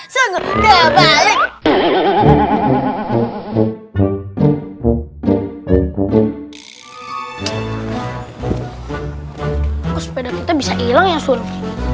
sepeda kita bisa hilang ya suruh